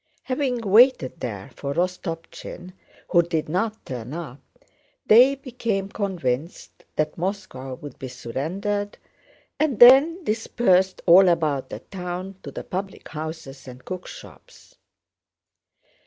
Having waited there for Rostopchín who did not turn up, they became convinced that Moscow would be surrendered, and then dispersed all about the town to the public houses and cookshops.